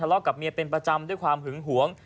เลาะกับเมียเป็นประจำด้วยความหึงหวง